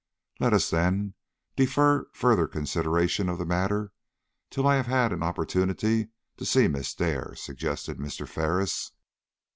"Let us, then, defer further consideration of the matter till I have had an opportunity to see Miss Dare," suggested Mr. Ferris.